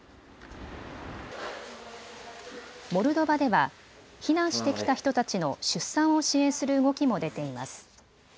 モルドバでは避難してきた人たちの出産を支援する動きも出ています。